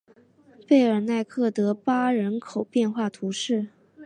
贝尔纳克德巴人口变化图示